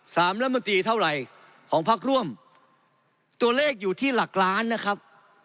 รัฐมนตรีเท่าไหร่ของพักร่วมตัวเลขอยู่ที่หลักล้านนะครับ